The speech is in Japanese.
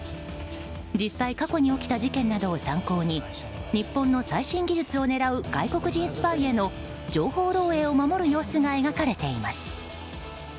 実際、過去に起きた事件などを参考に日本の最新技術を狙う外国人スパイへの情報漏洩を守る様子が描かれています。